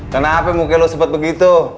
kenapa mukanya lo cepet begitu